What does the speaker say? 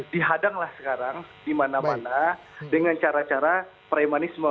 dihadanglah sekarang dimana mana dengan cara cara premanismo